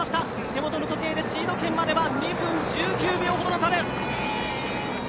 手元の時計でシード権まで２分１９秒ほどの差です。